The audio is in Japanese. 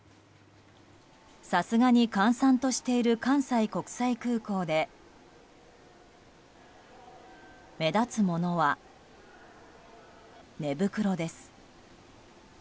さすがに閑散としている関西国際空港で目立つものは、寝袋です。